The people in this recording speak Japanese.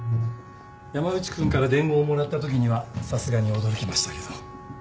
山内君から伝言をもらったときにはさすがに驚きましたけど。